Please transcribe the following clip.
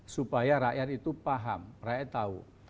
supaya rakyat itu paham rakyat tahu